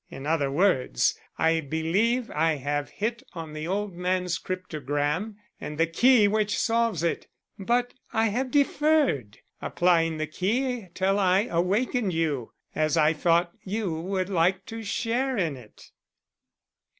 In other words, I believe I have hit on the old man's cryptogram, and the key which solves it, but I have deferred applying the key till I awakened you, as I thought you would like to share in it."